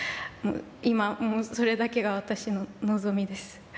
今もうそれだけが私の望みです。